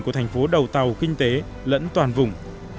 của thành phố đầu tàu kinh tế lẫn toàn vùng